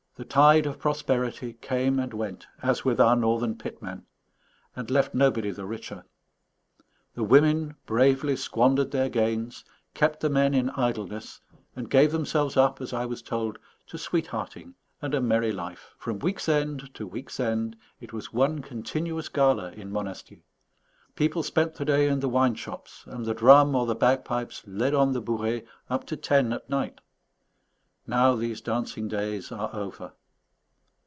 The tide of prosperity came and went, as with our northern pitmen, and left nobody the richer. The women bravely squandered their gains, kept the men in idleness, and gave themselves up, as I was told, to sweethearting and a merry life. From week's end to week's end it was one continuous gala in Monastier; people spent the day in the wine shops, and the drum or the bagpipes led on the bourrées up to ten at night. Now these dancing days are over.